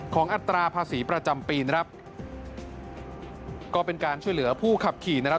อัตราภาษีประจำปีนะครับก็เป็นการช่วยเหลือผู้ขับขี่นะครับ